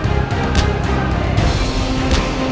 saya akan menjaga kebenaran raden